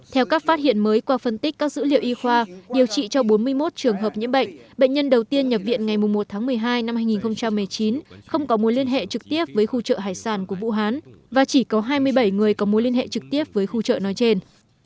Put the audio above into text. theo các phát hiện mới qua phân tích các dữ liệu y khoa điều trị cho bốn mươi một trường hợp nhiễm bệnh bệnh nhân đầu tiên nhập viện ngày một tháng một mươi hai năm hai nghìn một mươi chín không có mối liên hệ trực tiếp với khu chợ hải sản của vũ hán và chỉ có hai mươi bảy người có mối liên hệ trực tiếp với khu chợ nói trên